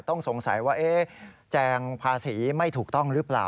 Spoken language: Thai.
ต้องสงสัยว่าแจงภาษีไม่ถูกต้องหรือเปล่า